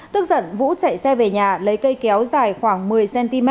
tức giận vũ chạy xe về nhà lấy cây kéo dài khoảng một mươi cm